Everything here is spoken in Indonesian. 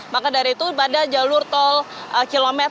maka dari itu pada jalur tol kilometer empat puluh delapan ini cukup banyak